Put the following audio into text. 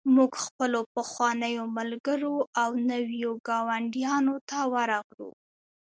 موږ خپلو پخوانیو ملګرو او نویو ګاونډیانو ته ورغلو